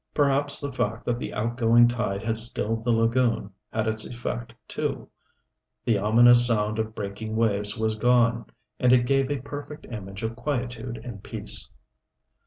Perhaps the fact that the outgoing tide had stilled the lagoon had its effect too. The ominous sound of breaking waves was gone, and it gave a perfect image of quietude and peace.